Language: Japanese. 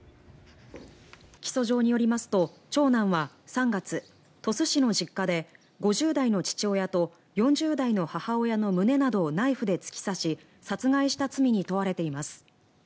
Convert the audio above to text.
起訴状によりますと長男は３月鳥栖市の実家で５０代の父親と４０代の母親の胸などをナイフで突き刺し殺害した罪に問われています。